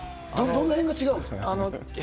どのへんが違うんですか？